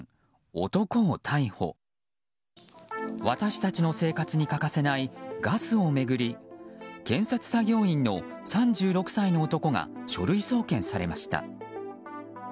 私たちの生活に欠かせないガスを巡り建設作業員の３６歳の男が書類送検されました。